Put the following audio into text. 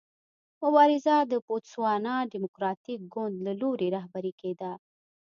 مبارزه د بوتسوانا ډیموکراټیک ګوند له لوري رهبري کېده.